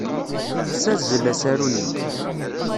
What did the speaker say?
Tessazzel asaru-nni.